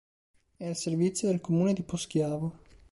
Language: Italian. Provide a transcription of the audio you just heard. È al servizio del comune di Poschiavo.